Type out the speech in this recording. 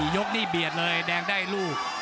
ยกนี่เบียดเลยแดงได้ลูก